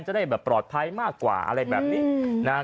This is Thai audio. จะได้แบบปลอดภัยมากกว่าอะไรแบบนี้นะฮะ